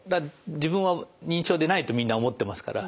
自分は認知症でないとみんな思ってますから。